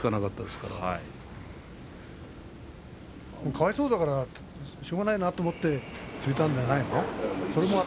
かわいそうだからしょうがないなと思って入れたんじゃないの？